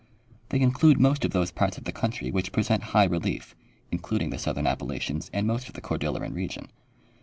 They include most of those parts of the country which present high relief, including the southern Appalachians and most of the Cordilleran region.